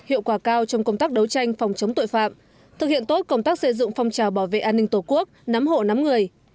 hiệu quả cao trong công tác đấu tranh phòng chống tội phạm thực hiện tốt công tác xây dựng phong trào bảo vệ an ninh tổ quốc nắm hộ nắm người